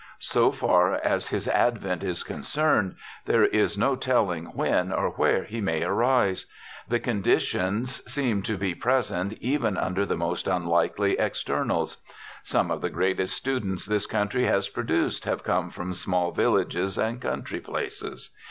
So far as his advent is concerned there is no telling when or where he may arise. The conditions seem to be present even under the most unlikely externals. Some of the greatest students this country has produced have come from small villages and country places.